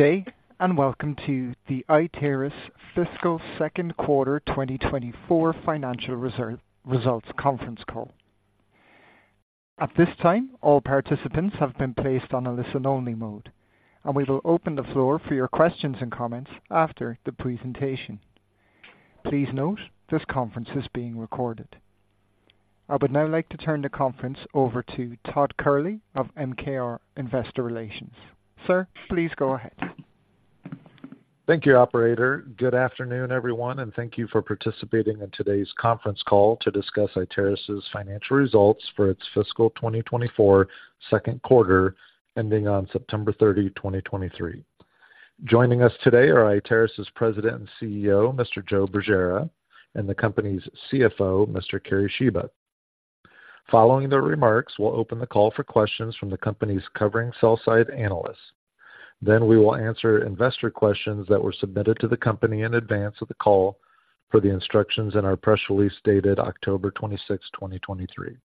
Good day, and welcome to the Iteris fiscal second quarter 2024 financial results conference call. At this time, all participants have been placed on a listen-only mode, and we will open the floor for your questions and comments after the presentation. Please note, this conference is being recorded. I would now like to turn the conference over to Todd Kehrli of MKR Investor Relations. Sir, please go ahead. Thank you, operator. Good afternoon, everyone, and thank you for participating in today's conference call to discuss Iteris's financial results for its fiscal 2024 second quarter, ending on September 30, 2023. Joining us today are Iteris's President and CEO, Mr. Joe Bergera, and the company's CFO, Mr. Kerry Shiba. Following their remarks, we'll open the call for questions from the company's covering sell-side analysts. Then we will answer investor questions that were submitted to the company in advance of the call for the instructions in our press release, dated October 26th, 2023.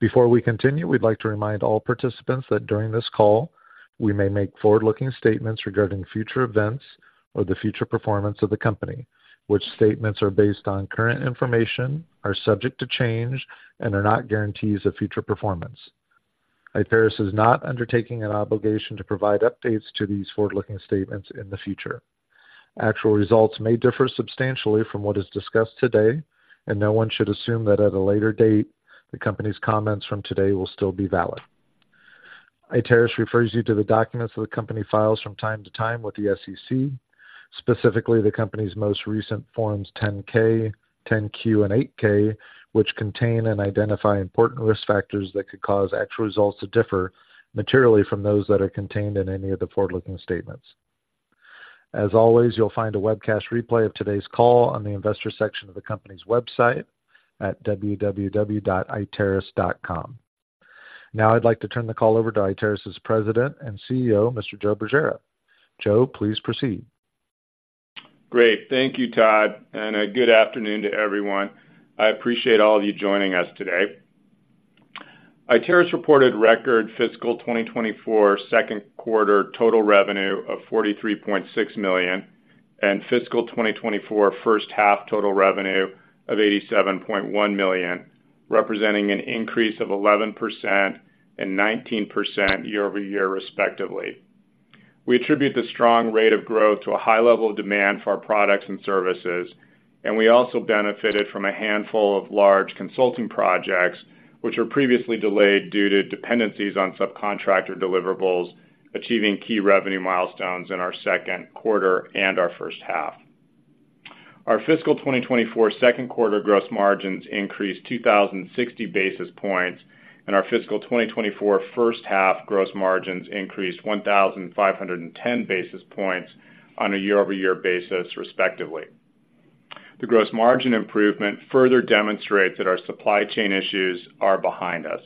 Before we continue, we'd like to remind all participants that during this call, we may make forward-looking statements regarding future events or the future performance of the company, which statements are based on current information, are subject to change, and are not guarantees of future performance. Iteris is not undertaking an obligation to provide updates to these forward-looking statements in the future. Actual results may differ substantially from what is discussed today, and no one should assume that at a later date, the company's comments from today will still be valid. Iteris refers you to the documents that the company files from time to time with the SEC, specifically the company's most recent Forms 10-K, 10-Q, and 8-K, which contain and identify important risk factors that could cause actual results to differ materially from those that are contained in any of the forward-looking statements. As always, you'll find a webcast replay of today's call on the investor section of the company's website at www.iteris.com. Now, I'd like to turn the call over to Iteris's President and CEO, Mr. Joe Bergera. Joe, please proceed. Great. Thank you, Todd, and, good afternoon to everyone. I appreciate all of you joining us today. Iteris reported record fiscal 2024 second quarter total revenue of $43.6 million, and fiscal 2024 first half total revenue of $87.1 million, representing an increase of 11% and 19% year-over-year, respectively. We attribute the strong rate of growth to a high level of demand for our products and services, and we also benefited from a handful of large consulting projects, which were previously delayed due to dependencies on subcontractor deliverables, achieving key revenue milestones in our second quarter and our first half. Our fiscal 2024 second quarter gross margins increased 2,060 basis points, and our fiscal 2024 first half gross margins increased 1,510 basis points on a year-over-year basis, respectively. The gross margin improvement further demonstrates that our supply chain issues are behind us.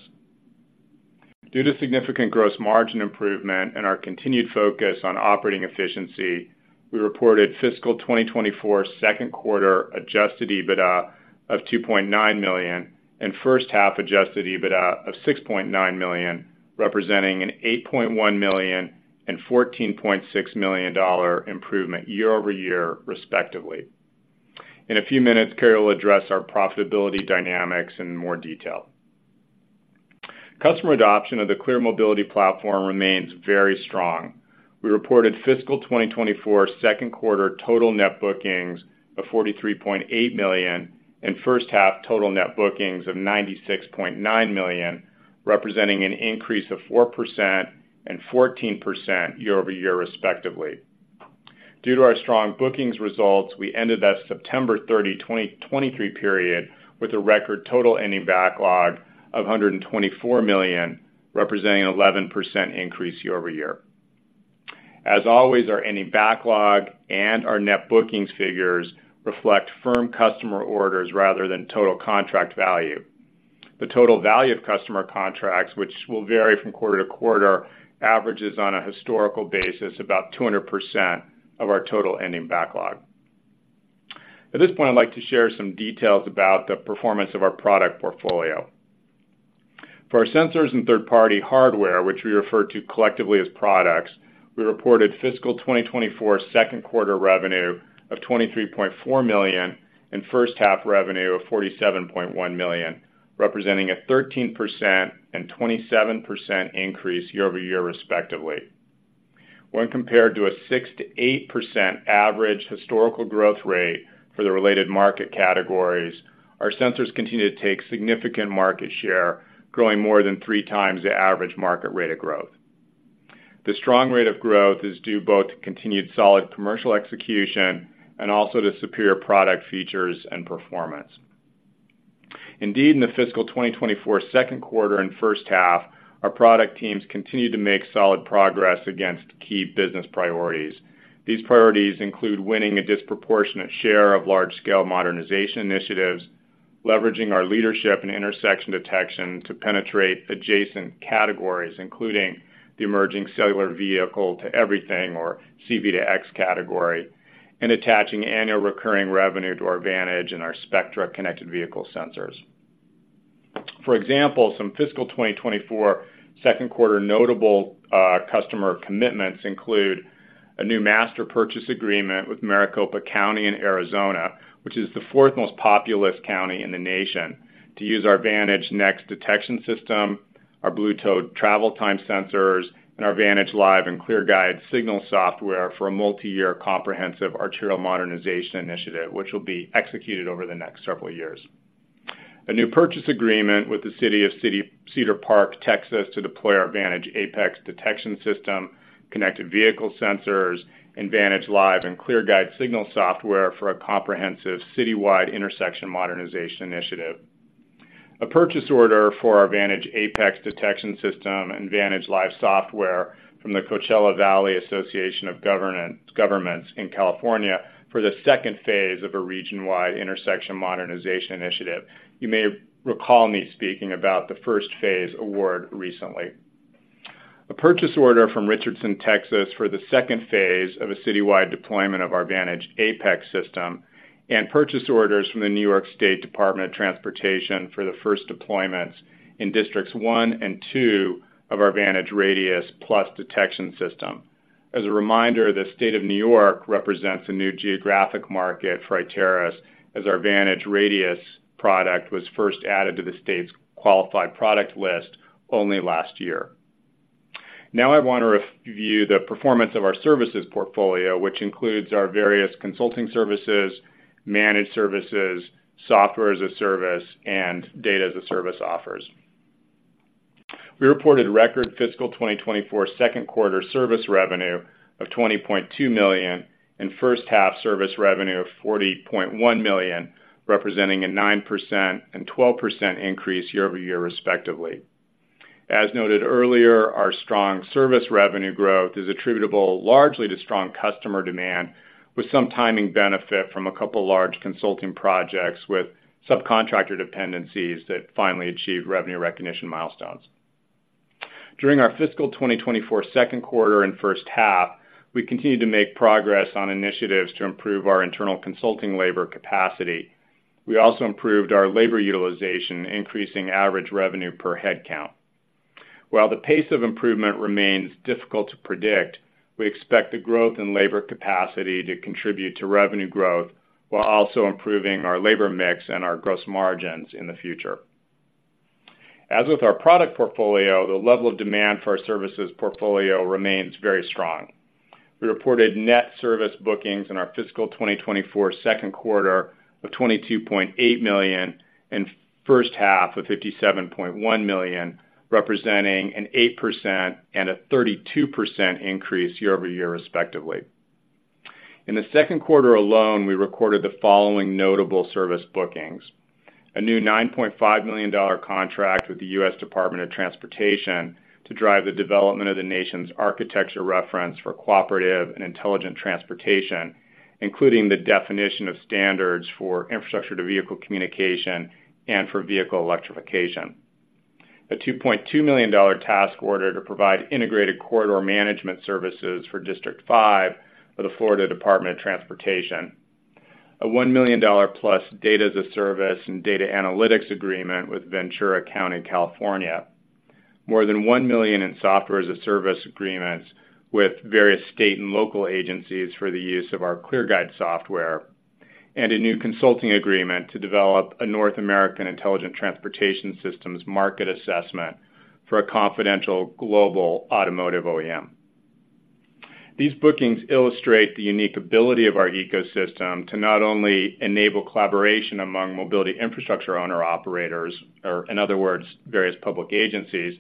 Due to significant gross margin improvement and our continued focus on operating efficiency, we reported fiscal 2024 second quarter adjusted EBITDA of $2.9 million and first half adjusted EBITDA of $6.9 million, representing an $8.1 million and $14.6 million dollar improvement year-over-year, respectively. In a few minutes, Kerry will address our profitability dynamics in more detail. Customer adoption of the ClearMobility Platform remains very strong. We reported fiscal 2024 second quarter total net bookings of $43.8 million and first half total net bookings of $96.9 million, representing an increase of 4% and 14% year-over-year, respectively. Due to our strong bookings results, we ended that September 30, 2023 period with a record total ending backlog of $124 million, representing an 11% increase year-over-year. As always, our ending backlog and our net bookings figures reflect firm customer orders rather than total contract value. The total value of customer contracts, which will vary from quarter-to-quarter, averages on a historical basis, about 200% of our total ending backlog. At this point, I'd like to share some details about the performance of our product portfolio. For our sensors and third-party hardware, which we refer to collectively as products, we reported fiscal 2024 second quarter revenue of $23.4 million and first half revenue of $47.1 million, representing a 13% and 27% increase year-over-year, respectively. When compared to a 6%-8% average historical growth rate for the related market categories, our sensors continue to take significant market share, growing more than three times the average market rate of growth. The strong rate of growth is due both to continued solid commercial execution and also to superior product features and performance. Indeed, in the fiscal 2024 second quarter and first half, our product teams continued to make solid progress against key business priorities. These priorities include winning a disproportionate share of large-scale modernization initiatives, leveraging our leadership in intersection detection to penetrate adjacent categories, including the emerging cellular vehicle-to-everything or C-V2X category, and attaching annual recurring revenue to our Vantage and our Spectra connected vehicle sensors. For example, some fiscal 2024 second quarter notable customer commitments include a new master purchase agreement with Maricopa County in Arizona, which is the fourth most populous county in the nation, to use our Vantage Next detection system, our BlueTOAD travel time sensors, and our VantageLive! and ClearGuide Signal software for a multi-year comprehensive arterial modernization initiative, which will be executed over the next several years. A new purchase agreement with the city of Cedar Park, Texas, to deploy our Vantage Apex detection system, connected vehicle sensors, and VantageLive! and ClearGuide Signal software for a comprehensive citywide intersection modernization initiative. A purchase order for our Vantage Apex detection system and VantageLive! software from the Coachella Valley Association of Governments in California for the second phase of a region-wide intersection modernization initiative. You may recall me speaking about the first phase award recently. A purchase order from Richardson, Texas, for the second phase of a citywide deployment of our Vantage Apex system, and purchase orders from the New York State Department of Transportation for the first deployments in Districts One and Two of our VantageRadius+ detection system. As a reminder, the state of New York represents a new geographic market for Iteris, as our VantageRadius product was first added to the state's qualified product list only last year. Now I want to review the performance of our services portfolio, which includes our various consulting services, managed services, software as a service, and data as a service offers. We reported record fiscal 2024 second quarter service revenue of $20.2 million, and first half service revenue of $40.1 million, representing a 9% and 12% increase year-over-year, respectively. As noted earlier, our strong service revenue growth is attributable largely to strong customer demand, with some timing benefit from a couple large consulting projects with subcontractor dependencies that finally achieved revenue recognition milestones. During our fiscal 2024 second quarter and first half, we continued to make progress on initiatives to improve our internal consulting labor capacity. We also improved our labor utilization, increasing average revenue per headcount. While the pace of improvement remains difficult to predict, we expect the growth in labor capacity to contribute to revenue growth while also improving our labor mix and our gross margins in the future. As with our product portfolio, the level of demand for our services portfolio remains very strong. We reported net service bookings in our fiscal 2024 second quarter of $22.8 million, and first half of $57.1 million, representing an 8% and a 32% increase year-over-year, respectively. In the second quarter alone, we recorded the following notable service bookings: a new $9.5 million contract with the U.S. Department of Transportation to drive the development of the nation's architecture reference for cooperative and intelligent transportation, including the definition of standards for infrastructure to vehicle communication and for vehicle electrification. A $2.2 million task order to provide integrated corridor management services for District Five of the Florida Department of Transportation. A $1 million plus data as a service and data analytics agreement with Ventura County, California. More than $1 million in software as a service agreements with various state and local agencies for the use of our ClearGuide software, and a new consulting agreement to develop a North American intelligent transportation systems market assessment for a confidential global automotive OEM. These bookings illustrate the unique ability of our ecosystem to not only enable collaboration among mobility infrastructure owner-operators, or in other words, various public agencies,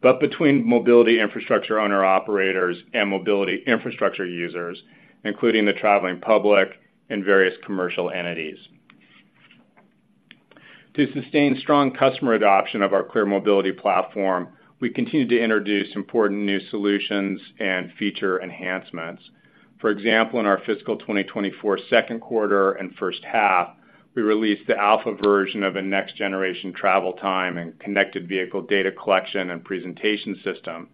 but between mobility infrastructure owner-operators and mobility infrastructure users, including the traveling public and various commercial entities. To sustain strong customer adoption of our ClearMobility Platform, we continue to introduce important new solutions and feature enhancements. For example, in our fiscal 2024 second quarter and first half, we released the alpha version of a next-generation travel time and connected vehicle data collection and presentation system,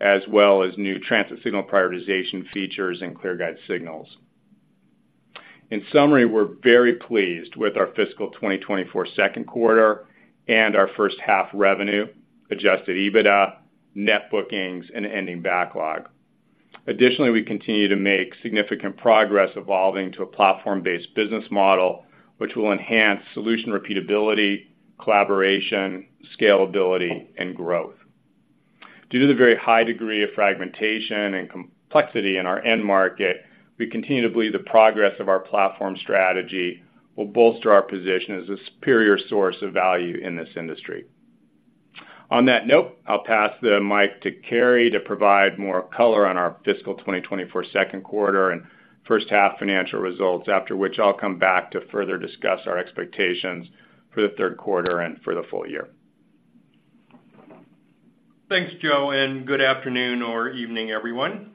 as well as new transit signal prioritization features and ClearGuide Signals. In summary, we're very pleased with our fiscal 2024 second quarter and our first half revenue, adjusted EBITDA, net bookings, and ending backlog. Additionally, we continue to make significant progress evolving to a platform-based business model, which will enhance solution repeatability, collaboration, scalability, and growth. Due to the very high degree of fragmentation and complexity in our end market, we continue to believe the progress of our platform strategy will bolster our position as a superior source of value in this industry. On that note, I'll pass the mic to Kerry to provide more color on our fiscal 2024 second quarter and first half financial results, after which I'll come back to further discuss our expectations for the third quarter and for the full year. Thanks, Joe, and good afternoon or evening, everyone.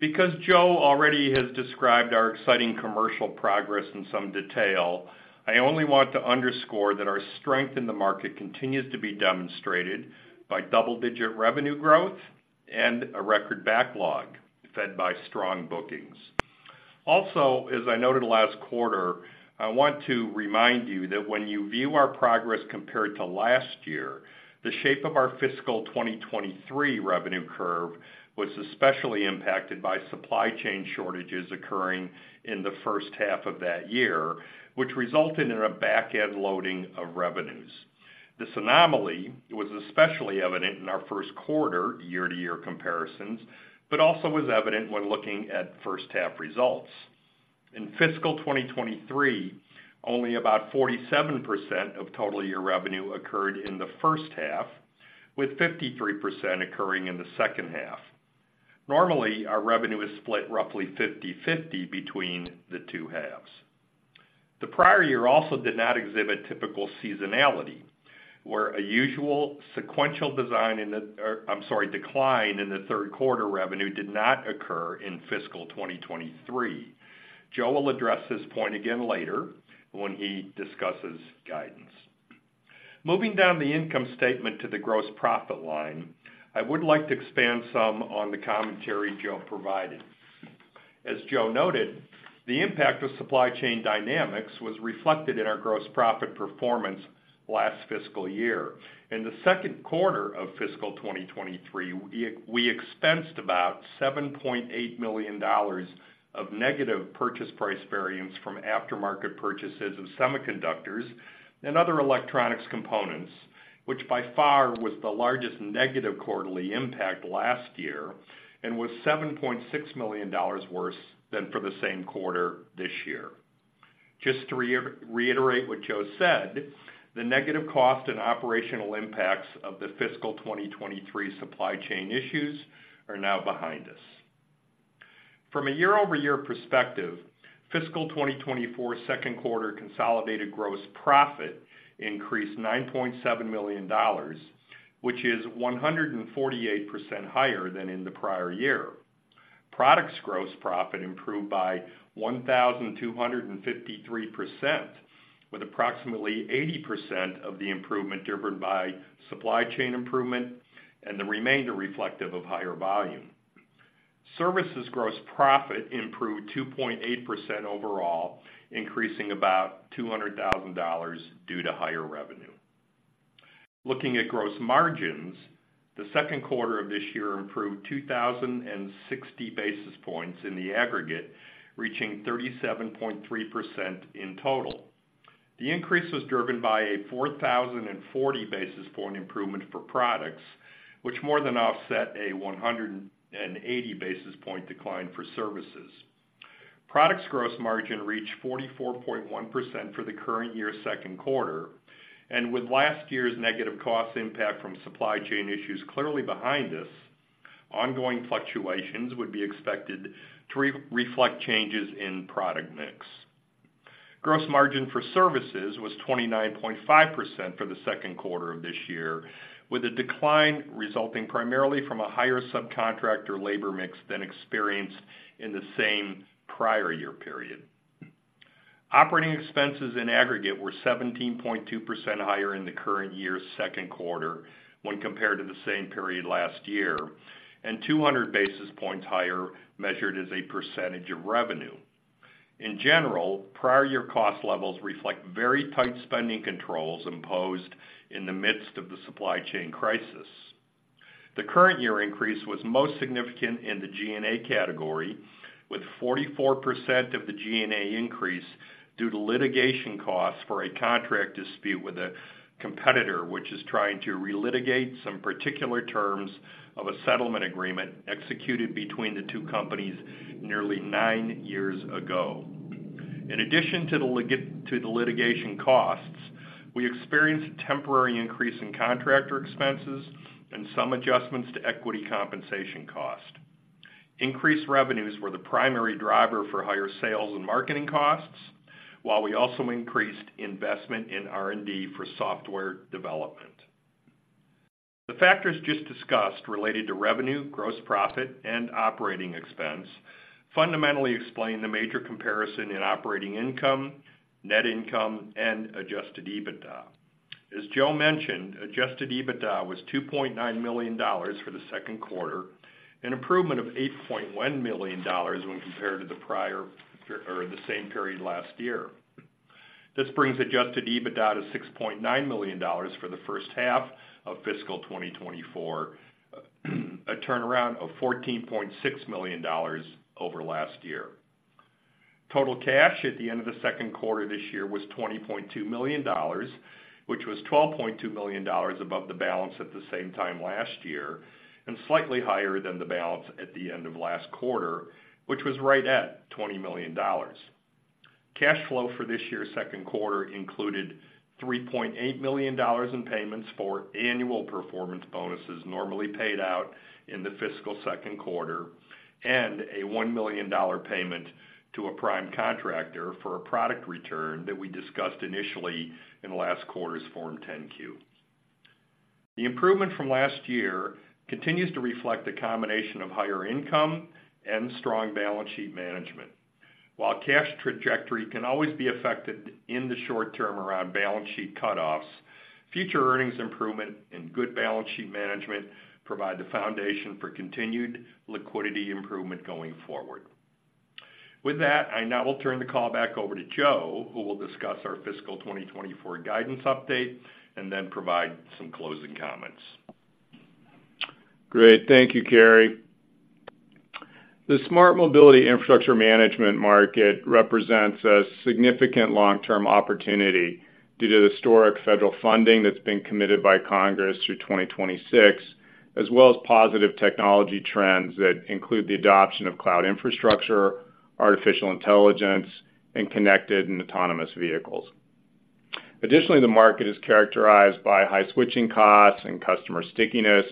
Because Joe already has described our exciting commercial progress in some detail, I only want to underscore that our strength in the market continues to be demonstrated by double-digit revenue growth and a record backlog, fed by strong bookings. Also, as I noted last quarter, I want to remind you that when you view our progress compared to last year, the shape of our fiscal 2023 revenue curve was especially impacted by supply chain shortages occurring in the first half of that year, which resulted in a back-end loading of revenues. This anomaly was especially evident in our first quarter year-to-year comparisons, but also was evident when looking at first half results. In fiscal 2023, only about 47% of total year revenue occurred in the first half, with 53% occurring in the second half. Normally, our revenue is split roughly 50/50 between the two halves. The prior year also did not exhibit typical seasonality, where a usual sequential decline in the third quarter revenue did not occur in fiscal 2023. Joe will address this point again later when he discusses guidance. Moving down the income statement to the gross profit line, I would like to expand some on the commentary Joe provided. As Joe noted, the impact of supply chain dynamics was reflected in our gross profit performance last fiscal year. In the second quarter of fiscal 2023, we expensed about $7.8 million of negative purchase price variance from aftermarket purchases of semiconductors and other electronics components, which by far was the largest negative quarterly impact last year and was $7.6 million worse than for the same quarter this year. Just to reiterate what Joe said, the negative cost and operational impacts of the fiscal 2023 supply chain issues are now behind us. From a year-over-year perspective, fiscal 2024's second quarter consolidated gross profit increased $9.7 million, which is 148% higher than in the prior year. Products gross profit improved by 1,253%, with approximately 80% of the improvement driven by supply chain improvement and the remainder reflective of higher volume. Services gross profit improved 2.8% overall, increasing about $200,000 due to higher revenue. Looking at gross margins, the second quarter of this year improved 2,060 basis points in the aggregate, reaching 37.3% in total. The increase was driven by a 4,040 basis point improvement for products, which more than offset a 180 basis point decline for services. Products gross margin reached 44.1% for the current year's second quarter, and with last year's negative cost impact from supply chain issues clearly behind us, ongoing fluctuations would be expected to reflect changes in product mix. Gross margin for services was 29.5% for the second quarter of this year, with a decline resulting primarily from a higher subcontractor labor mix than experienced in the same prior year period. Operating expenses in aggregate were 17.2% higher in the current year's second quarter when compared to the same period last year, and 200 basis points higher, measured as a percentage of revenue. In general, prior year cost levels reflect very tight spending controls imposed in the midst of the supply chain crisis. The current year increase was most significant in the G&A category, with 44% of the G&A increase due to litigation costs for a contract dispute with a competitor, which is trying to relitigate some particular terms of a settlement agreement executed between the two companies nearly nine years ago. In addition to the litigation costs, we experienced a temporary increase in contractor expenses and some adjustments to equity compensation cost. Increased revenues were the primary driver for higher sales and marketing costs, while we also increased investment in R&D for software development. The factors just discussed related to revenue, gross profit, and operating expense fundamentally explain the major comparison in operating income, net income, and adjusted EBITDA. As Joe mentioned, adjusted EBITDA was $2.9 million for the second quarter, an improvement of $8.1 million when compared to the prior, or the same period last year. This brings adjusted EBITDA to $6.9 million for the first half of fiscal 2024, a turnaround of $14.6 million over last year. Total cash at the end of the second quarter this year was $20.2 million, which was $12.2 million above the balance at the same time last year, and slightly higher than the balance at the end of last quarter, which was right at $20 million. Cash flow for this year's second quarter included $3.8 million in payments for annual performance bonuses, normally paid out in the fiscal second quarter, and a $1 million payment to a prime contractor for a product return that we discussed initially in last quarter's Form 10-Q. The improvement from last year continues to reflect a combination of higher income and strong balance sheet management. While cash trajectory can always be affected in the short term around balance sheet cutoffs, future earnings improvement and good balance sheet management provide the foundation for continued liquidity improvement going forward. With that, I now will turn the call back over to Joe, who will discuss our fiscal 2024 guidance update and then provide some closing comments. Great. Thank you, Kerry. The smart mobility infrastructure management market represents a significant long-term opportunity due to historic federal funding that's been committed by Congress through 2026, as well as positive technology trends that include the adoption of cloud infrastructure, artificial intelligence, and connected and autonomous vehicles. Additionally, the market is characterized by high switching costs and customer stickiness,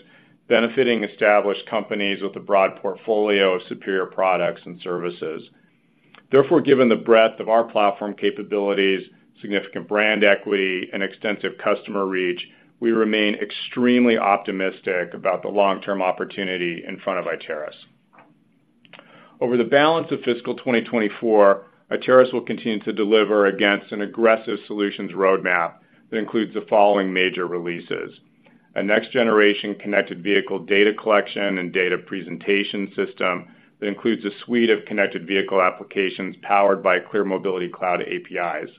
benefiting established companies with a broad portfolio of superior products and services. Therefore, given the breadth of our platform capabilities, significant brand equity, and extensive customer reach, we remain extremely optimistic about the long-term opportunity in front of Iteris. Over the balance of fiscal 2024, Iteris will continue to deliver against an aggressive solutions roadmap that includes the following major releases: a next generation connected vehicle data collection and data presentation system that includes a suite of connected vehicle applications powered by ClearMobility Cloud APIs.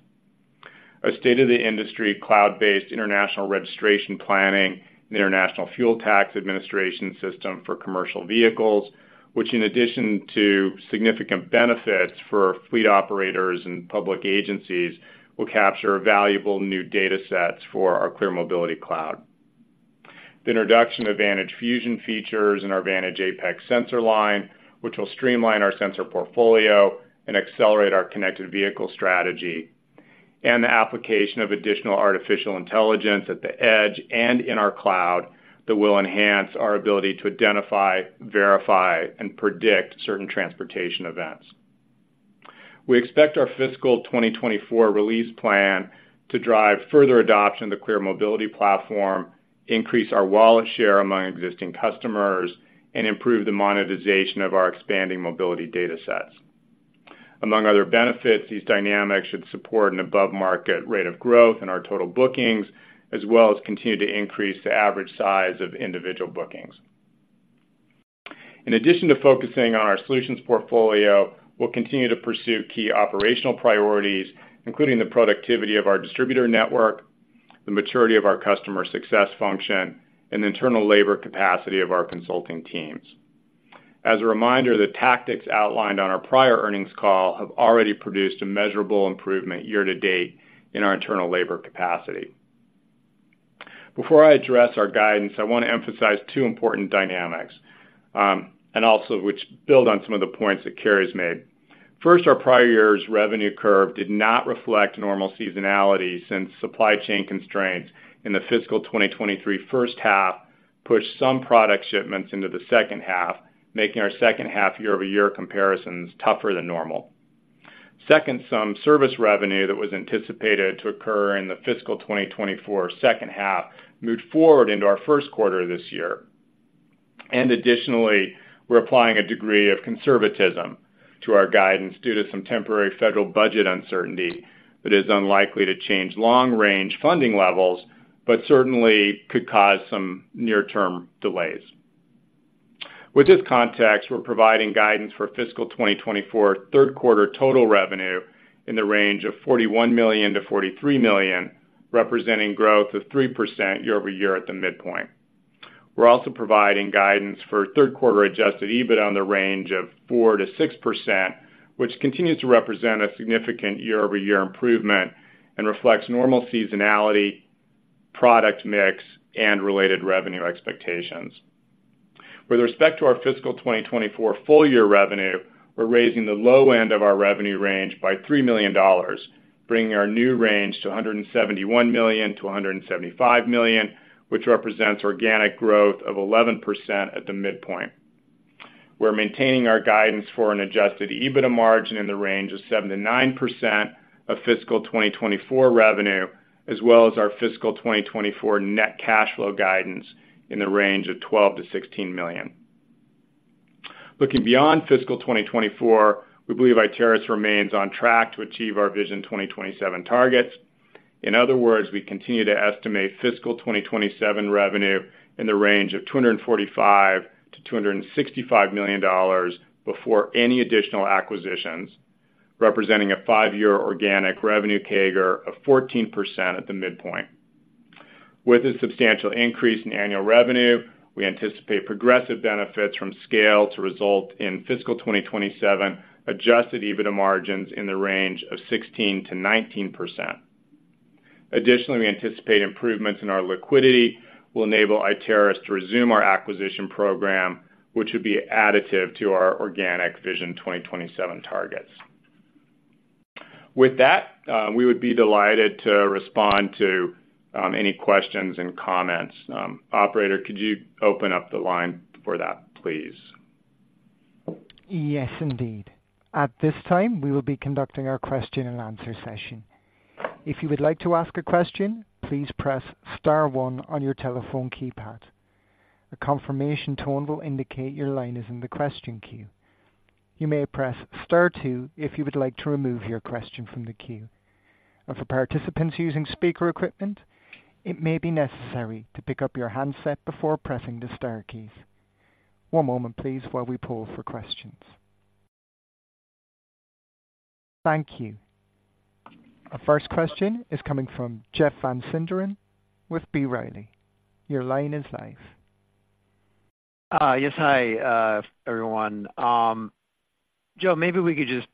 A state-of-the-industry, cloud-based International Registration Plan and International Fuel Tax Administration system for commercial vehicles, which in addition to significant benefits for fleet operators and public agencies, will capture valuable new data sets for our ClearMobility Cloud. The introduction of Vantage Fusion features in our Vantage Apex sensor line, which will streamline our sensor portfolio and accelerate our connected vehicle strategy. The application of additional artificial intelligence at the edge and in our cloud that will enhance our ability to identify, verify, and predict certain transportation events. We expect our fiscal 2024 release plan to drive further adoption of the ClearMobility Platform, increase our wallet share among existing customers, and improve the monetization of our expanding mobility data sets. Among other benefits, these dynamics should support an above-market rate of growth in our total bookings, as well as continue to increase the average size of individual bookings. In addition to focusing on our solutions portfolio, we'll continue to pursue key operational priorities, including the productivity of our distributor network, the maturity of our customer success function, and the internal labor capacity of our consulting teams. As a reminder, the tactics outlined on our prior earnings call have already produced a measurable improvement year-to-date in our internal labor capacity. Before I address our guidance, I want to emphasize two important dynamics, and also which build on some of the points that Kerry's made. First, our prior year's revenue curve did not reflect normal seasonality, since supply chain constraints in the fiscal 2023 first half pushed some product shipments into the second half, making our second half year-over-year comparisons tougher than normal. Second, some service revenue that was anticipated to occur in the fiscal 2024 second half moved forward into our first quarter this year. Additionally, we're applying a degree of conservatism to our guidance due to some temporary federal budget uncertainty that is unlikely to change long-range funding levels, but certainly could cause some near-term delays. With this context, we're providing guidance for fiscal 2024 third quarter total revenue in the range of $41 million-$43 million, representing growth of 3% year-over-year at the midpoint. We're also providing guidance for third quarter adjusted EBITDA in the range of 4%-6%, which continues to represent a significant year-over-year improvement and reflects normal seasonality, product mix, and related revenue expectations. With respect to our fiscal 2024 full year revenue, we're raising the low end of our revenue range by $3 million, bringing our new range to $171 million-$175 million, which represents organic growth of 11% at the midpoint. We're maintaining our guidance for an adjusted EBITDA margin in the range of 7%-9% of fiscal 2024 revenue, as well as our fiscal 2024 net cash flow guidance in the range of $12 million-$16 million. Looking beyond fiscal 2024, we believe Iteris remains on track to achieve our Vision 2027 targets. In other words, we continue to estimate fiscal 2027 revenue in the range of $245 million-$265 million before any additional acquisitions, representing a five-year organic revenue CAGR of 14% at the midpoint. With a substantial increase in annual revenue, we anticipate progressive benefits from scale to result in fiscal 2027 adjusted EBITDA margins in the range of 16%-19%. Additionally, we anticipate improvements in our liquidity will enable Iteris to resume our acquisition program, which would be additive to our organic Vision 2027 targets. With that, we would be delighted to respond to any questions and comments. Operator, could you open up the line for that, please? Yes, indeed. At this time, we will be conducting our question and answer session. If you would like to ask a question, please press star one on your telephone keypad. A confirmation tone will indicate your line is in the question queue. You may press star two if you would like to remove your question from the queue. And for participants using speaker equipment, it may be necessary to pick up your handset before pressing the star key. One moment, please, while we pull for questions. Thank you. Our first question is coming from Jeff Van Sinderen with B. Riley. Your line is live. Yes. Hi, everyone. Joe, maybe we could just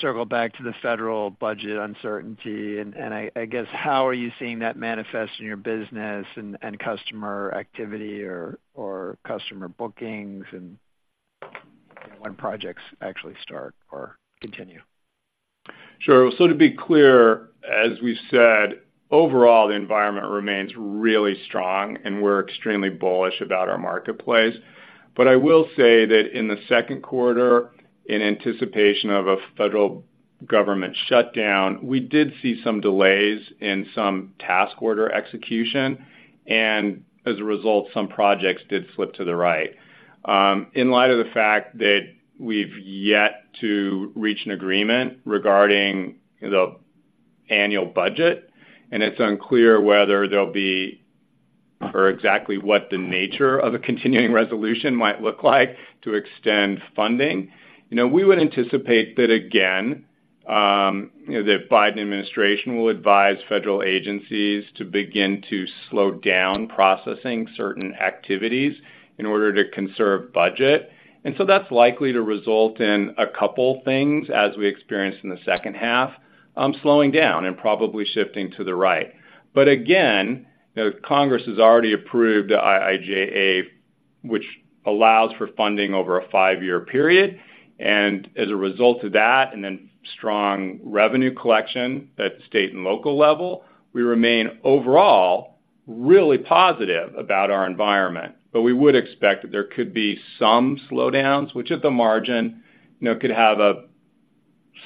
circle back to the federal budget uncertainty, and I guess, how are you seeing that manifest in your business and customer activity or customer bookings, and you know, when projects actually start or continue? Sure. So to be clear, as we said, overall, the environment remains really strong, and we're extremely bullish about our marketplace. But I will say that in the second quarter, in anticipation of a federal government shutdown, we did see some delays in some task order execution, and as a result, some projects did slip to the right. In light of the fact that we've yet to reach an agreement regarding the annual budget, and it's unclear whether there'll be, or exactly what the nature of a continuing resolution might look like to extend funding, you know, we would anticipate that again, you know, the Biden administration will advise federal agencies to begin to slow down processing certain activities in order to conserve budget. So that's likely to result in a couple things as we experienced in the second half, slowing down and probably shifting to the right. But again, you know, Congress has already approved IIJA, which allows for funding over a five-year period, and as a result of that, and then strong revenue collection at state and local level, we remain overall really positive about our environment. But we would expect that there could be some slowdowns, which at the margin, you know, could have a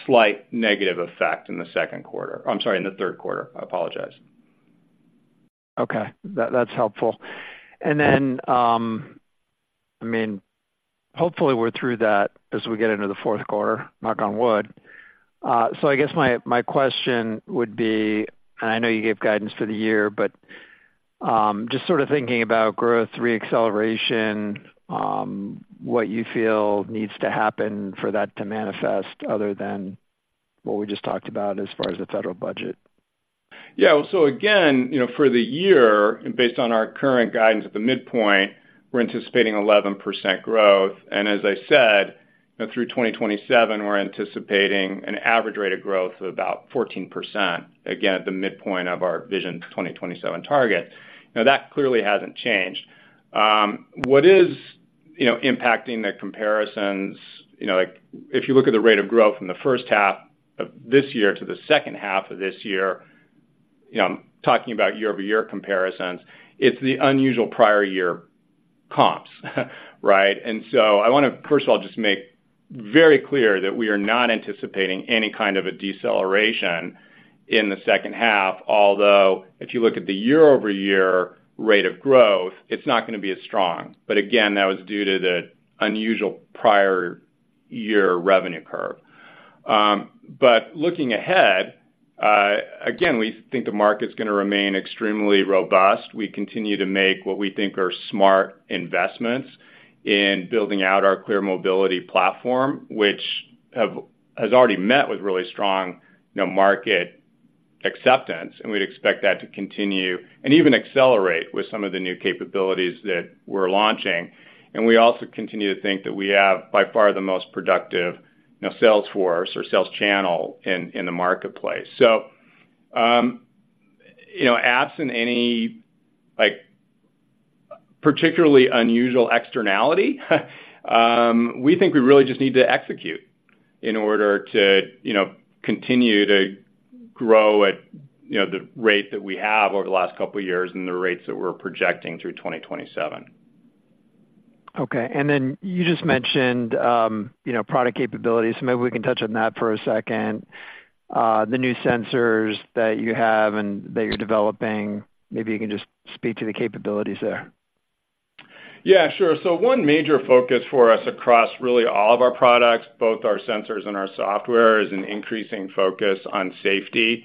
slight negative effect in the second quarter. I'm sorry, in the third quarter. I apologize. Okay. That, that's helpful. And then, I mean, hopefully, we're through that as we get into the fourth quarter, knock on wood. So I guess my, my question would be, and I know you gave guidance for the year, but, just sort of thinking about growth, reacceleration, what you feel needs to happen for that to manifest other than what we just talked about as far as the federal budget. Yeah. So again, you know, for the year, and based on our current guidance at the midpoint, we're anticipating 11% growth. And as I said, you know, through 2027, we're anticipating an average rate of growth of about 14%, again, at the midpoint of our vision, 2027 target. Now, that clearly hasn't changed. What is, you know, impacting the comparisons, you know, like if you look at the rate of growth from the first half of this year to the second half of this year, you know, I'm talking about year-over-year comparisons, it's the unusual prior year comps, right? And so I wanna, first of all, just make very clear that we are not anticipating any kind of a deceleration in the second half, although if you look at the year-over-year rate of growth, it's not gonna be as strong. But again, that was due to the unusual prior year revenue curve. But looking ahead, again, we think the market's gonna remain extremely robust. We continue to make what we think are smart investments in building out our ClearMobility Platform, which has already met with really strong, you know, market acceptance, and we'd expect that to continue and even accelerate with some of the new capabilities that we're launching. And we also continue to think that we have, by far, the most productive, you know, sales force or sales channel in the marketplace. So, you know, absent any, like, particularly unusual externality, we think we really just need to execute in order to, you know, continue to grow at, you know, the rate that we have over the last couple of years and the rates that we're projecting through 2027. Okay, and then you just mentioned, you know, product capabilities. So maybe we can touch on that for a second. The new sensors that you have and that you're developing, maybe you can just speak to the capabilities there. Yeah, sure. So one major focus for us across really all of our products, both our sensors and our software, is an increasing focus on safety.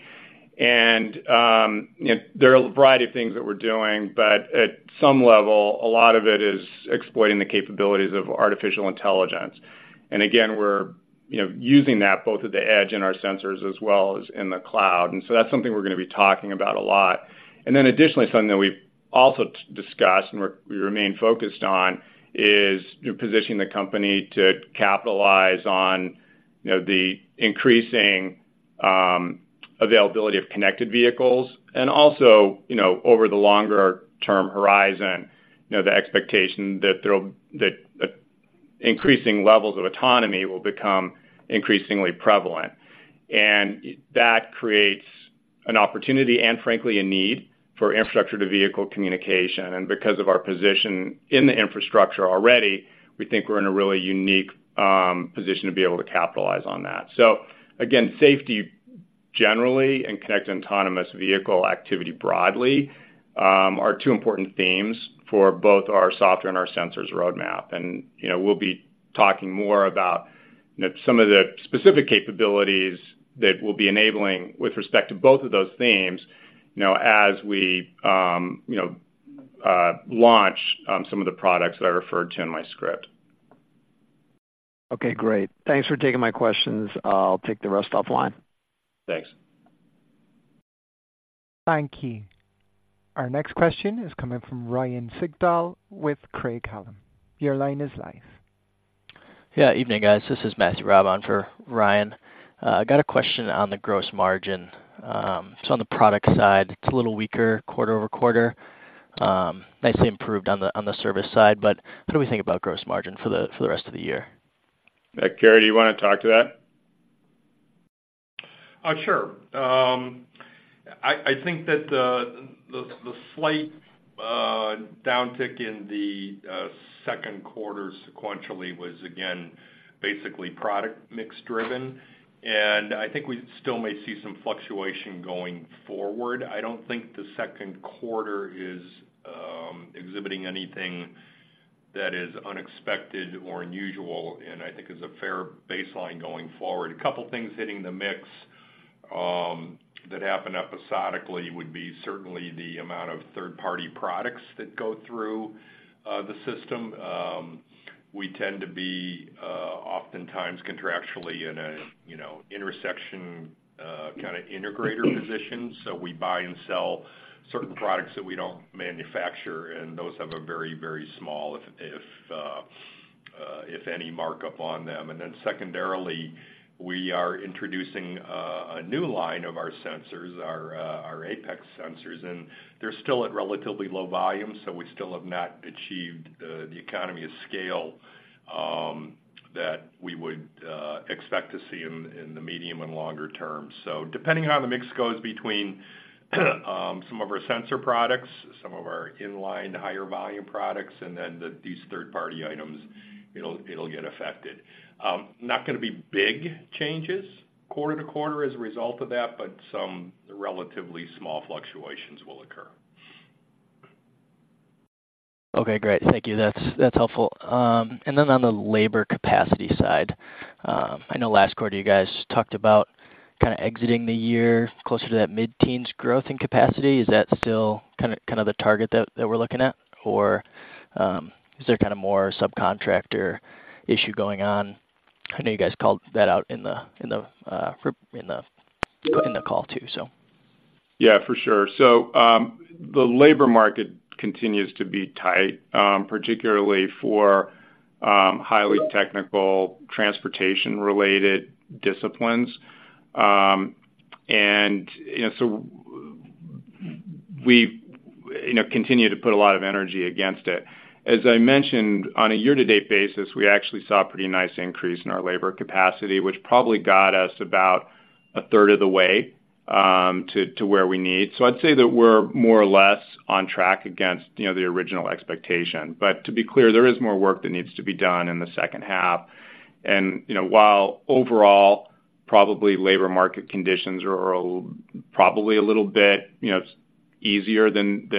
And, you know, there are a variety of things that we're doing, but at some level, a lot of it is exploiting the capabilities of artificial intelligence. And again, we're, you know, using that both at the edge in our sensors as well as in the cloud. And so that's something we're gonna be talking about a lot. And then additionally, something that we've also discussed and we remain focused on is positioning the company to capitalize on, you know, the increasing availability of connected vehicles and also, you know, over the longer term horizon, you know, the expectation that increasing levels of autonomy will become increasingly prevalent. That creates an opportunity and frankly, a need for infrastructure to vehicle communication. Because of our position in the infrastructure already, we think we're in a really unique position to be able to capitalize on that. So again, safety generally and connected autonomous vehicle activity broadly are two important themes for both our software and our sensors roadmap. And, you know, we'll be talking more about, you know, some of the specific capabilities that we'll be enabling with respect to both of those themes, you know, as we launch some of the products that I referred to in my script. Okay, great. Thanks for taking my questions. I'll take the rest offline. Thanks. Thank you. Our next question is coming from Ryan Sigdahl with Craig-Hallum. Your line is live. Yeah, evening, guys. This is Matthew Raab for Ryan. I got a question on the gross margin. So on the product side, it's a little weaker quarter-over-quarter, nicely improved on the service side, but what do we think about gross margin for the rest of the year? Kerry, do you wanna talk to that? Sure. I think that the slight downtick in the second quarter sequentially was again basically product mix driven, and I think we still may see some fluctuation going forward. I don't think the second quarter is exhibiting anything that is unexpected or unusual, and I think is a fair baseline going forward. A couple things hitting the mix that happen episodically would be certainly the amount of third-party products that go through the system. We tend to be oftentimes contractually in a you know intersection kinda integrator position. So we buy and sell certain products that we don't manufacture, and those have a very very small, if any, markup on them. And then secondarily, we are introducing a new line of our sensors, our, our Apex sensors, and they're still at relatively low volumes, so we still have not achieved the economy of scale that we would expect to see in, in the medium and longer term. So depending on how the mix goes between some of our sensor products, some of our in-line, higher volume products, and then these third-party items, it'll, it'll get affected. Not gonna be big changes quarter-to-quarter as a result of that, but some relatively small fluctuations will occur. Okay, great. Thank you. That's, that's helpful. And then on the labor capacity side, I know last quarter you guys talked about kinda exiting the year closer to that mid-teens growth in capacity. Is that still kind of, kind of the target that, that we're looking at? Or, is there kind of more subcontractor issue going on? I know you guys called that out in the call, too, so. Yeah, for sure. So, the labor market continues to be tight, particularly for, highly technical transportation-related disciplines. And, you know, so we, you know, continue to put a lot of energy against it. As I mentioned, on a year-to-date basis, we actually saw a pretty nice increase in our labor capacity, which probably got us about a third of the way, to, to where we need. So I'd say that we're more or less on track against, you know, the original expectation. But to be clear, there is more work that needs to be done in the second half. You know, while overall, probably labor market conditions are probably a little bit, you know, easier than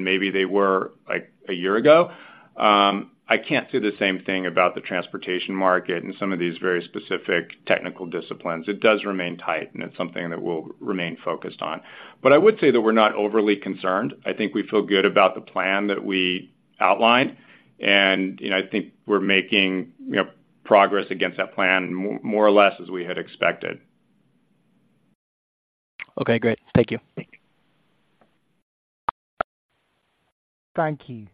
maybe they were like a year ago, I can't say the same thing about the transportation market and some of these very specific technical disciplines. It does remain tight, and it's something that we'll remain focused on. But I would say that we're not overly concerned. I think we feel good about the plan that we outlined, and, you know, I think we're making, you know, progress against that plan, more or less as we had expected. Okay, great. Thank you. Thank you.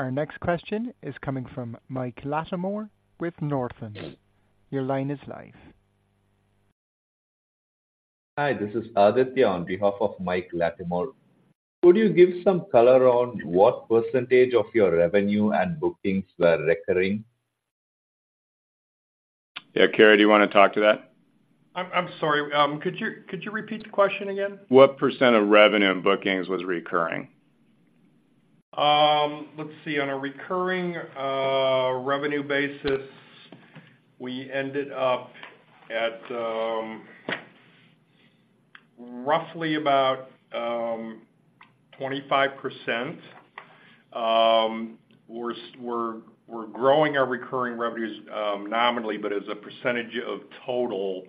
Our next question is coming from Mike Latimore with Northland. Your line is live. Hi, this is Aditya on behalf of Mike Latimore. Could you give some color on what percentage of your revenue and bookings were recurring? Yeah, Kerry, do you wanna talk to that? I'm sorry, could you repeat the question again? What percent of revenue and bookings was recurring? On a recurring revenue basis, we ended up at roughly about 25%. We're growing our recurring revenues nominally, but as a percentage of total,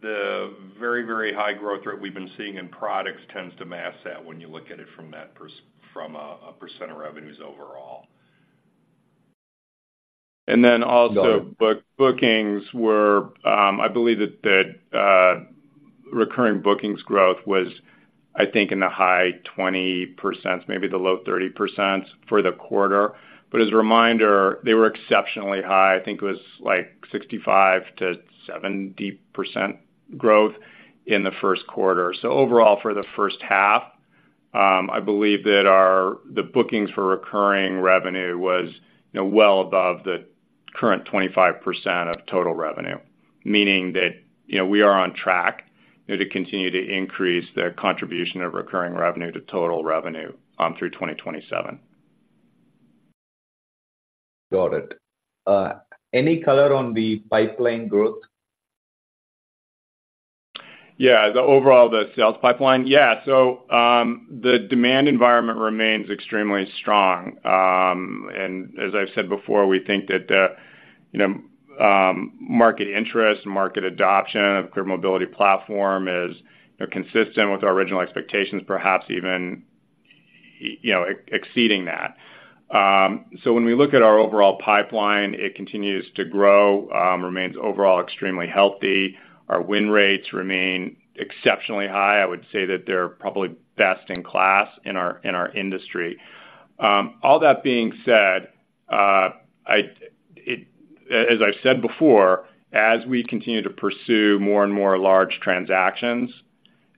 the very, very high growth rate we've been seeing in products tends to mask that when you look at it from a percent of revenues overall. And then also— Got it. Bookings were, I believe that, recurring bookings growth was, I think, in the high 20%, maybe the low 30% for the quarter. But as a reminder, they were exceptionally high. I think it was like 65%-70% growth in the first quarter. So overall, for the first half, I believe that our bookings for recurring revenue was, you know, well above the current 25% of total revenue, meaning that, you know, we are on track, you know, to continue to increase the contribution of recurring revenue to total revenue, through 2027. Got it. Any color on the pipeline growth? Yeah, the overall sales pipeline? Yeah. So, the demand environment remains extremely strong. And as I've said before, we think that, you know, market interest and market adoption of ClearMobility Platform is consistent with our original expectations, perhaps even, you know, exceeding that. So when we look at our overall pipeline, it continues to grow, remains overall extremely healthy. Our win rates remain exceptionally high. I would say that they're probably best in class in our industry. All that being said, as I've said before, as we continue to pursue more and more large transactions,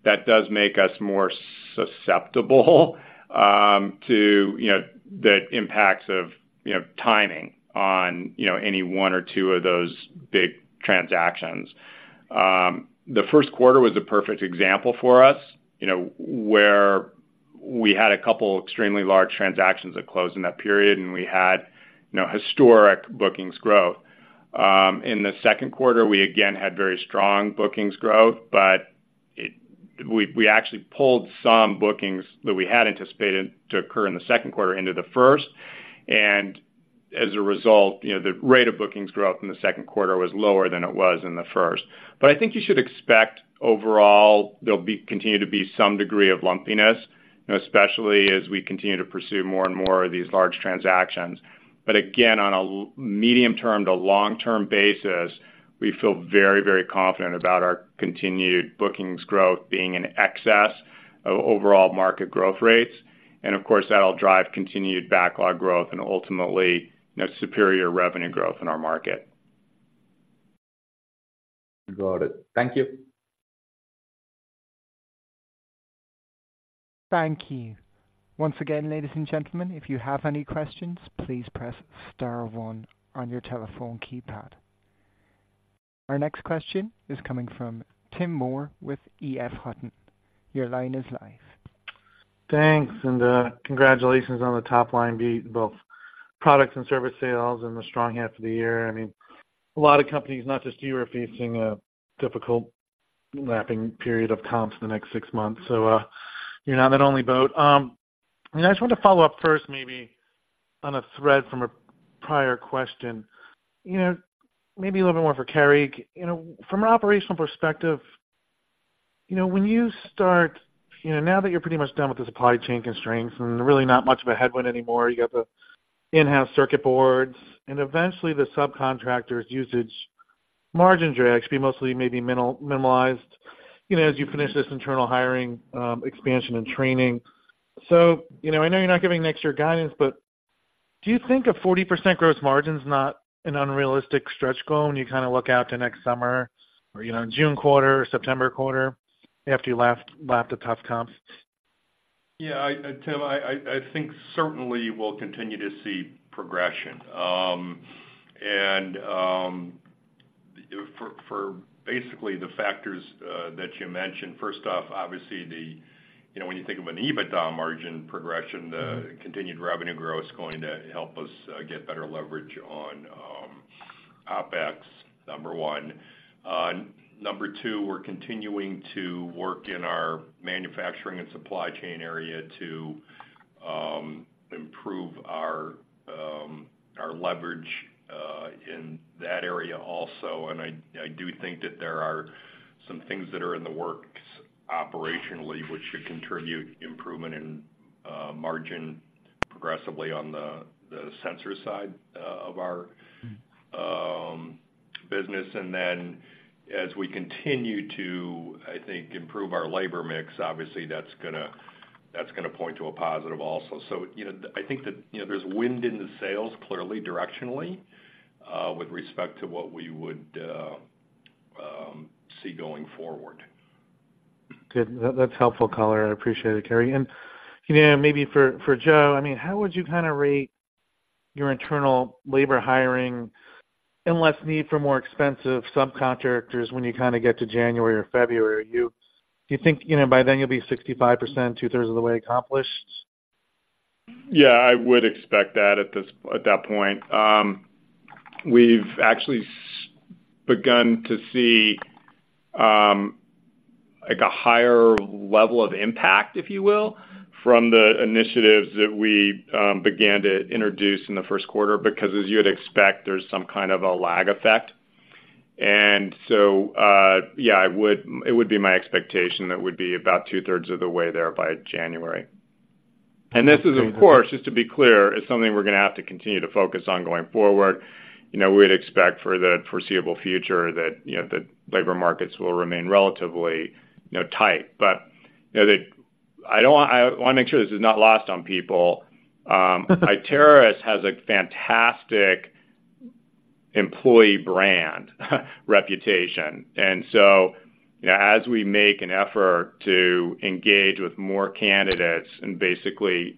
that does make us more susceptible, to, you know, the impacts of, you know, timing on, you know, any one or two of those big transactions. The first quarter was a perfect example for us, you know, where we had a couple extremely large transactions that closed in that period, and we had, you know, historic bookings growth. In the second quarter, we again had very strong bookings growth, but we actually pulled some bookings that we had anticipated to occur in the second quarter into the first, and as a result, you know, the rate of bookings growth in the second quarter was lower than it was in the first. But I think you should expect overall, there'll continue to be some degree of lumpiness, you know, especially as we continue to pursue more and more of these large transactions. But again, on a medium-term to long-term basis, we feel very, very confident about our continued bookings growth being in excess of overall market growth rates. Of course, that'll drive continued backlog growth and ultimately, you know, superior revenue growth in our market. Got it. Thank you. Thank you. Once again, ladies and gentlemen, if you have any questions, please press star one on your telephone keypad. Our next question is coming from Tim Moore with EF Hutton. Your line is live. Thanks, and congratulations on the top line beat, both products and service sales and the strong half of the year. I mean, a lot of companies, not just you, are facing a difficult lapping period of comps in the next six months, so you're not that only boat. I just want to follow up first, maybe on a thread from a prior question. You know, maybe a little bit more for Kerry. You know, from an operational perspective, you know, when you start, you know, now that you're pretty much done with the supply chain constraints and really not much of a headwind anymore, you got the in-house circuit boards, and eventually the subcontractors usage margin drags be mostly maybe minimized, you know, as you finish this internal hiring, expansion and training. So, you know, I know you're not giving next year guidance, but do you think a 40% gross margin is not an unrealistic stretch goal when you kind of look out to next summer or, you know, June quarter or September quarter after you last lapped the tough comps? Yeah, Tim, I think certainly we'll continue to see progression. And for basically the factors that you mentioned, first off, obviously, you know, when you think of an EBITDA margin progression, the continued revenue growth is going to help us get better leverage on OpEx, number one. On number two, we're continuing to work in our manufacturing and supply chain area to improve our leverage in that area also. And I do think that there are some things that are in the works operationally, which should contribute improvement in margin progressively on the sensor side of our business. And then as we continue to, I think, improve our labor mix, obviously that's gonna point to a positive also. So, you know, I think that, you know, there's wind in the sails, clearly directionally, with respect to what we would see going forward. Good. That's helpful color. I appreciate it, Kerry. And, you know, maybe for, for Joe, I mean, how would you kind of rate your internal labor hiring and less need for more expensive subcontractors when you kind of get to January or February? You, do you think, you know, by then you'll be 65%, 2/3 of the way accomplished? Yeah, I would expect that at this, at that point. We've actually begun to see, like, a higher level of impact, if you will, from the initiatives that we began to introduce in the first quarter, because as you'd expect, there's some kind of a lag effect. And so, yeah, I would it would be my expectation that would be about two-thirds of the way there by January. And this is, of course, just to be clear, is something we're gonna have to continue to focus on going forward. You know, we'd expect for the foreseeable future that, you know, the labor markets will remain relatively, you know, tight. But, you know, the I don't want I wanna make sure this is not lost on people. Iteris has a fantastic employee brand, reputation. And so, you know, as we make an effort to engage with more candidates and basically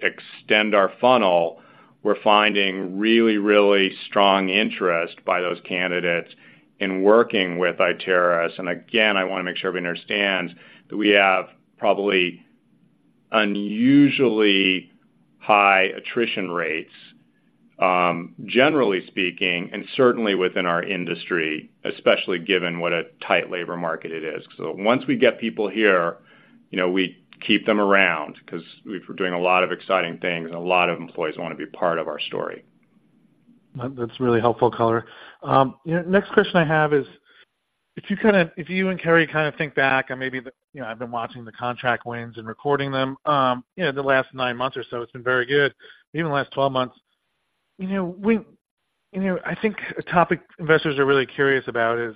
extend our funnel, we're finding really, really strong interest by those candidates in working with Iteris. And again, I wanna make sure we understand that we have probably unusually high attrition rates, generally speaking, and certainly within our industry, especially given what a tight labor market it is. So once we get people here, you know, we keep them around because we're doing a lot of exciting things, and a lot of employees want to be part of our story. That's really helpful color. You know, next question I have is, if you and Kerry kind of think back and maybe, you know, I've been watching the contract wins and recording them, you know, the last nine months or so, it's been very good. Even the last 12 months, you know, we, you know, I think a topic investors are really curious about is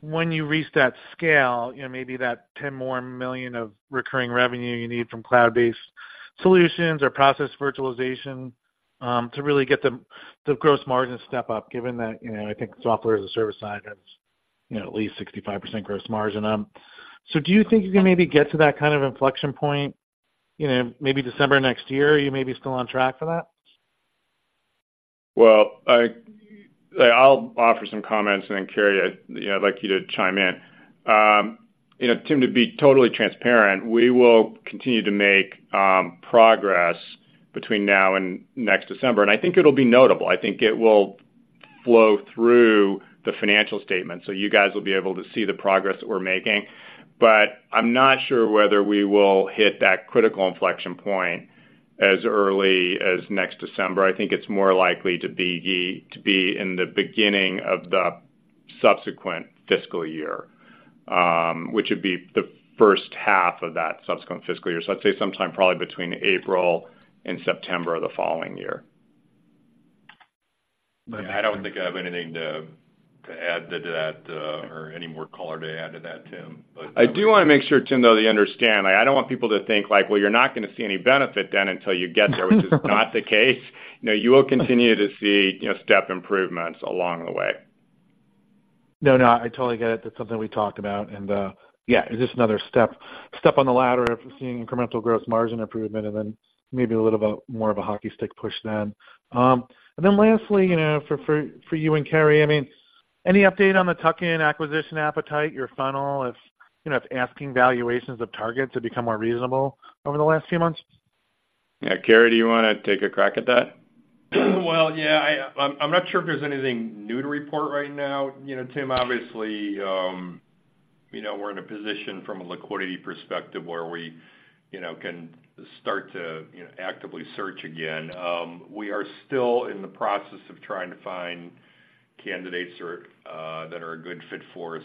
when you reach that scale, you know, maybe that $10 million more of recurring revenue you need from cloud-based solutions or process virtualization, to really get the gross margin step up, given that, you know, I think the software as a service side has, you know, at least 65% gross margin on. So do you think you can maybe get to that kind of inflection point, you know, maybe December next year? Are you maybe still on track for that? Well, I'll offer some comments, and then Kerry, you know, I'd like you to chime in. You know, Tim, to be totally transparent, we will continue to make progress between now and next December, and I think it'll be notable. I think it will flow through the financial statement, so you guys will be able to see the progress that we're making. But I'm not sure whether we will hit that critical inflection point as early as next December. I think it's more likely to be in the beginning of the subsequent fiscal year, which would be the first half of that subsequent fiscal year. So I'd say sometime probably between April and September of the following year. I don't think I have anything to add to that, or any more color to add to that, Tim, but—I do want to make sure, Tim, though, that you understand. I don't want people to think, like, well, you're not going to see any benefit then until you get there, which is not the case. No, you will continue to see, you know, step improvements along the way. No, no, I totally get it. That's something we talked about, and yeah, just another step on the ladder of seeing incremental gross margin improvement and then maybe a little bit more of a hockey stick push then. And then lastly, you know, for you and Kerry, I mean, any update on the tuck-in acquisition appetite, your funnel, if you know, if asking valuations of targets have become more reasonable over the last few months? Yeah, Kerry, do you want to take a crack at that? Well, yeah, I'm not sure if there's anything new to report right now. You know, Tim, obviously, you know, we're in a position from a liquidity perspective where we, you know, can start to, you know, actively search again. We are still in the process of trying to find candidates that are a good fit for us,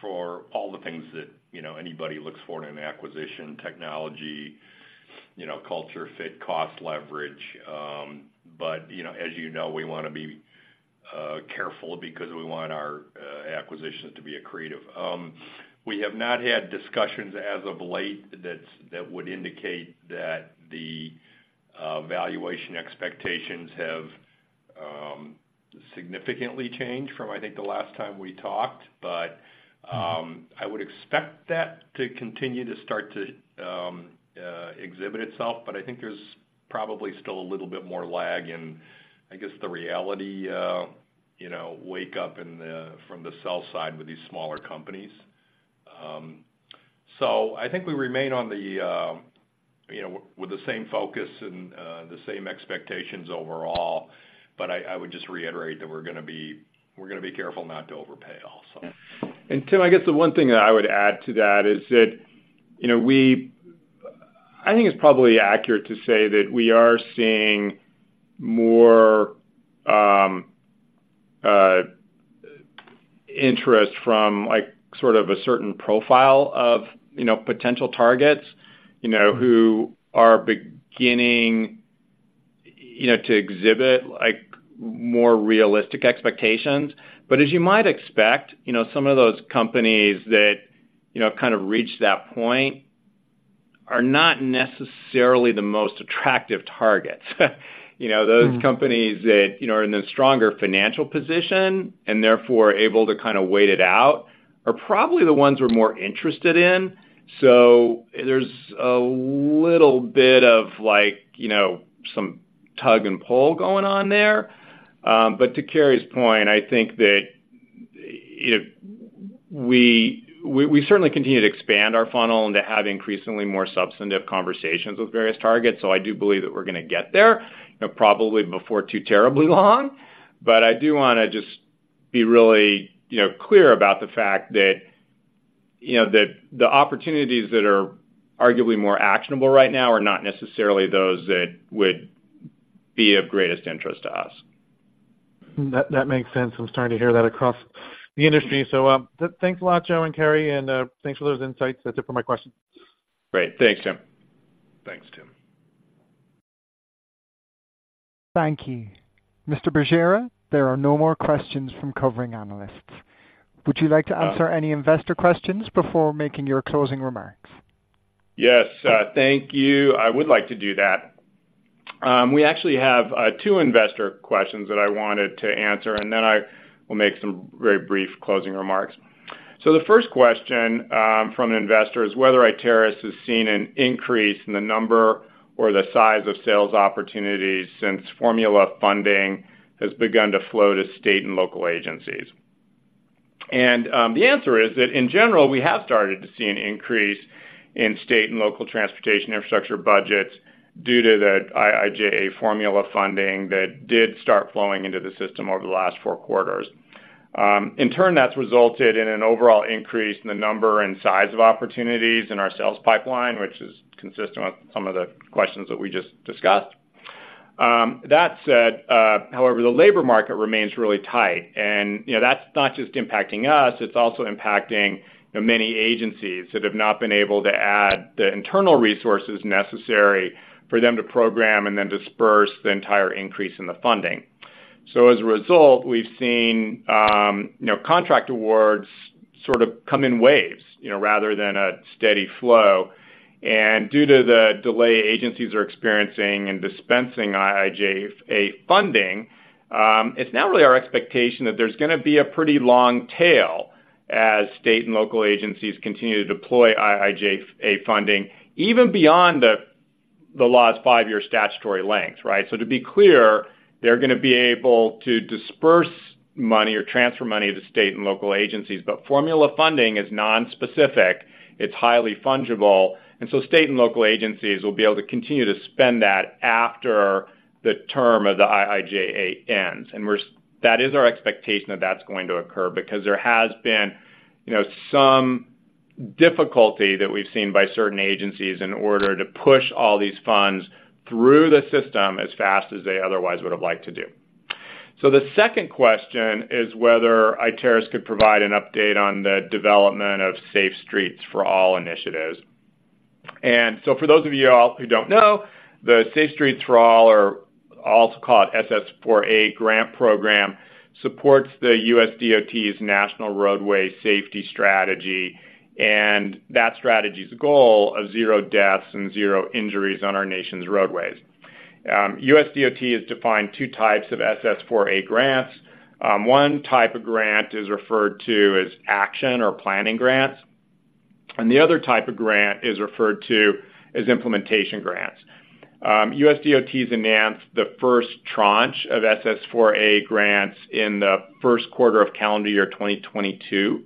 for all the things that, you know, anybody looks for in an acquisition: technology, you know, culture fit, cost leverage. But, you know, as you know, we want to be careful because we want our acquisitions to be accretive. We have not had discussions as of late that would indicate that the valuation expectations have significantly changed from, I think, the last time we talked. But, I would expect that to continue to start to exhibit itself, but I think there's probably still a little bit more lag in, I guess, the reality, you know, wake up in the—from the sell side with these smaller companies. So I think we remain on the, you know, with the same focus and the same expectations overall, but I, I would just reiterate that we're gonna be—we're gonna be careful not to overpay also. Tim, I guess the one thing that I would add to that is that, you know, we, I think it's probably accurate to say that we are seeing more interest from, like, sort of a certain profile of, you know, potential targets, you know, who are beginning, you know, to exhibit, like, more realistic expectations. But as you might expect, you know, some of those companies that, you know, kind of reached that point are not necessarily the most attractive targets. You know, those— Mm. Companies that, you know, are in a stronger financial position and therefore able to kind of wait it out, are probably the ones we're more interested in. So there's a little bit of like, you know, some tug and pull going on there. But to Kerry's point, I think that, you know, we certainly continue to expand our funnel and to have increasingly more substantive conversations with various targets. So I do believe that we're gonna get there, you know, probably before too terribly long. But I do want to just be really, you know, clear about the fact that, you know, that the opportunities that are arguably more actionable right now are not necessarily those that would be of greatest interest to us. That, that makes sense. I'm starting to hear that across the industry. So, thanks a lot, Joe and Kerry, and, thanks for those insights. That's it for my questions. Great. Thanks, Tim. Thanks, Tim. Thank you. Mr. Bergera, there are no more questions from covering analysts. Would you like to answer any investor questions before making your closing remarks? Yes, thank you. I would like to do that. We actually have two investor questions that I wanted to answer, and then I will make some very brief closing remarks. The first question from an investor is whether Iteris has seen an increase in the number or the size of sales opportunities since formula funding has begun to flow to state and local agencies. The answer is that in general, we have started to see an increase in state and local transportation infrastructure budgets due to the IIJA formula funding that did start flowing into the system over the last four quarters. In turn, that's resulted in an overall increase in the number and size of opportunities in our sales pipeline, which is consistent with some of the questions that we just discussed. That said, however, the labor market remains really tight, and, you know, that's not just impacting us, it's also impacting the many agencies that have not been able to add the internal resources necessary for them to program and then disburse the entire increase in the funding. So as a result, we've seen, you know, contract awards sort of come in waves, you know, rather than a steady flow. And due to the delay agencies are experiencing in dispensing IIJA funding, it's now really our expectation that there's gonna be a pretty long tail as state and local agencies continue to deploy IIJA funding, even beyond the law's five-year statutory length, right? So to be clear, they're gonna be able to disburse money or transfer money to state and local agencies, but formula funding is nonspecific, it's highly fungible, and so state and local agencies will be able to continue to spend that after the term of the IIJA ends. And we're, that is our expectation that that's going to occur, because there has been, you know, some difficulty that we've seen by certain agencies in order to push all these funds through the system as fast as they otherwise would have liked to do. So the second question is whether Iteris could provide an update on the development of Safe Streets for All initiatives. And so for those of you all who don't know, the Safe Streets for All or also called SS4A grant program, supports the USDOT's National Roadway Safety Strategy, and that strategy's goal of zero deaths and zero injuries on our nation's roadways. USDOT has defined two types of SS4A grants. One type of grant is referred to as action or planning grants, and the other type of grant is referred to as implementation grants. USDOT's enhanced the first tranche of SS4A grants in the first quarter of calendar year 2022,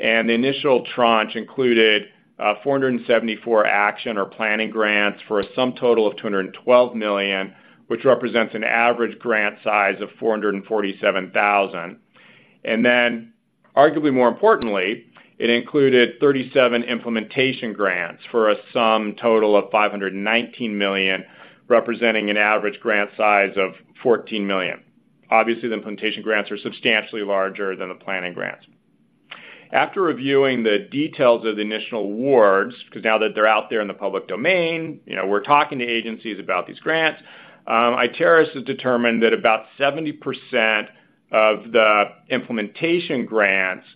and the initial tranche included 474 action or planning grants for a sum total of $212 million, which represents an average grant size of $447,000. And then, arguably more importantly, it included 37 implementation grants for a sum total of $519 million, representing an average grant size of $14 million. Obviously, the implementation grants are substantially larger than the planning grants. After reviewing the details of the initial awards, because now that they're out there in the public domain, you know, we're talking to agencies about these grants, Iteris has determined that about 70% of the implementation grants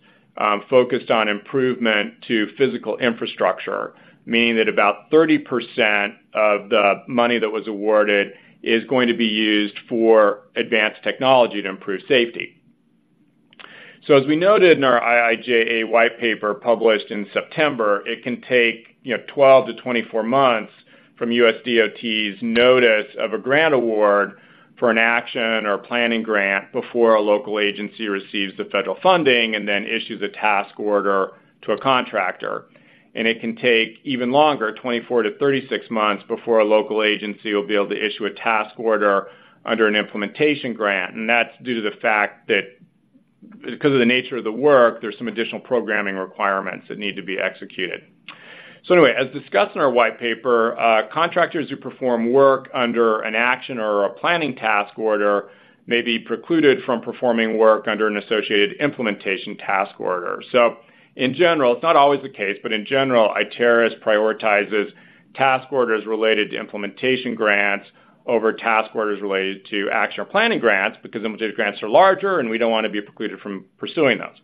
focused on improvement to physical infrastructure, meaning that about 30% of the money that was awarded is going to be used for advanced technology to improve safety. So as we noted in our IIJA white paper, published in September, it can take, you know, 12-24 months from USDOT's notice of a grant award for an action or planning grant before a local agency receives the federal funding, and then issues a task order to a contractor. And it can take even longer, 24-36 months, before a local agency will be able to issue a task order under an implementation grant. And that's due to the fact that, because of the nature of the work, there's some additional programming requirements that need to be executed. So anyway, as discussed in our white paper, contractors who perform work under an action or a planning task order may be precluded from performing work under an associated implementation task order. So in general, it's not always the case, but in general, Iteris prioritizes task orders related to implementation grants over task orders related to action or planning grants, because implementation grants are larger, and we don't want to be precluded from pursuing those.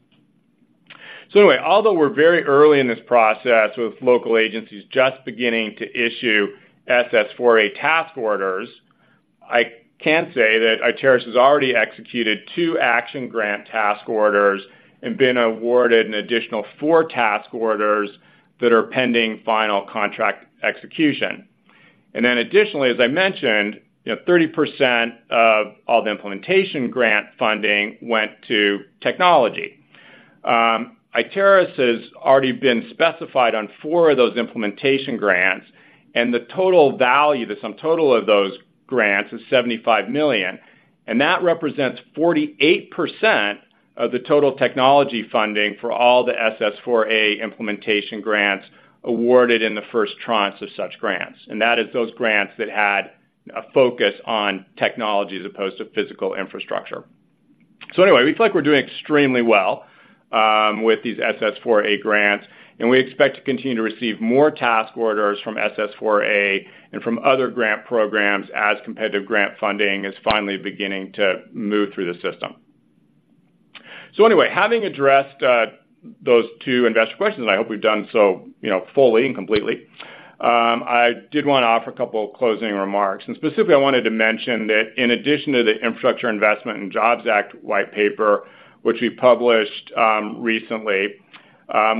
So anyway, although we're very early in this process, with local agencies just beginning to issue SS4A task orders, I can say that Iteris has already executed two action grant task orders and been awarded an additional four task orders that are pending final contract execution. And then additionally, as I mentioned, you know, 30% of all the implementation grant funding went to technology. Iteris has already been specified on four of those implementation grants, and the total value, the sum total of those grants, is $75 million, and that represents 48% of the total technology funding for all the SS4A implementation grants awarded in the first tranche of such grants. That is those grants that had a focus on technology as opposed to physical infrastructure. So anyway, we feel like we're doing extremely well with these SS4A grants, and we expect to continue to receive more task orders from SS4A and from other grant programs as competitive grant funding is finally beginning to move through the system. So anyway, having addressed those two investor questions, and I hope we've done so, you know, fully and completely, I did want to offer a couple of closing remarks. Specifically, I wanted to mention that in addition to the Infrastructure Investment and Jobs Act white paper, which we published recently,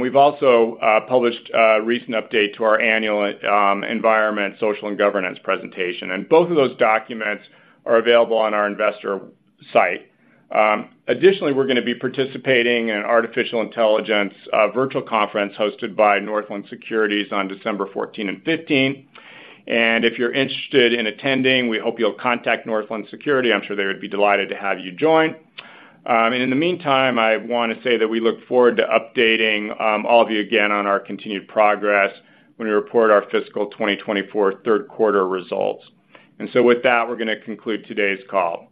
we've also published a recent update to our annual environmental, social, and governance presentation. Both of those documents are available on our investor site. Additionally, we're gonna be participating in an artificial intelligence virtual conference hosted by Northland Securities on December 14 and 15. If you're interested in attending, we hope you'll contact Northland Securities. I'm sure they would be delighted to have you join. And in the meantime, I want to say that we look forward to updating all of you again on our continued progress when we report our fiscal 2024 third quarter results. So with that, we're gonna conclude today's call.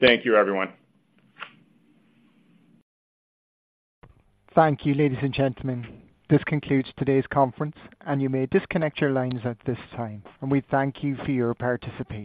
Thank you, everyone. Thank you, ladies and gentlemen. This concludes today's conference, and you may disconnect your lines at this time, and we thank you for your participation.